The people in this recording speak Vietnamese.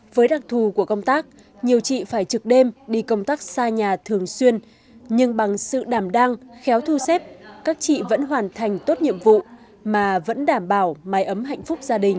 với đặc thù của công tác nhiều chị phải trực đêm đi công tác xa nhà thường xuyên nhưng bằng sự đàm đang khéo thu xếp các chị vẫn hoàn thành tốt nhiệm vụ mà vẫn đảm bảo mái ấm hạnh phúc gia đình